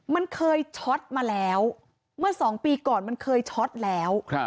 มันเคยช็อตมาแล้วเมื่อ๒ปีก่อนมันเคยช็อตแล้ว